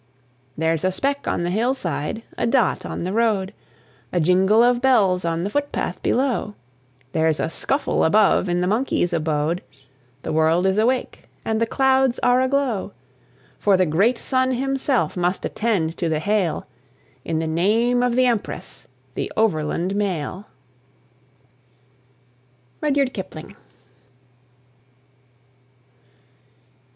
There's a speck on the hillside, a dot on the road A jingle of bells on the foot path below There's a scuffle above in the monkeys' abode The world is awake, and the clouds are aglow For the great Sun himself must attend to the hail; In the name of the Empress the Overland Mail. RUDYARD KIPLING.